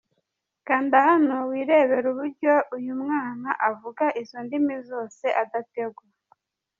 Kanda hano wirebere uuryo uyu mwana avuga izo ndimi zose adategwa.